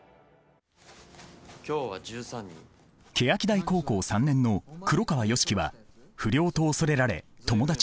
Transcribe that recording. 欅台高校３年の黒川良樹は不良と恐れられ友達はゼロ。